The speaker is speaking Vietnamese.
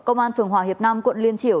công an phường hòa hiệp nam quận liên triểu